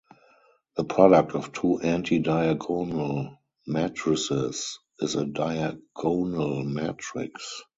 The product of two anti-diagonal matrices is a diagonal matrix.